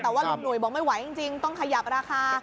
แต่ว่าลุงหนุ่ยบอกไม่ไหวจริงต้องขยับราคา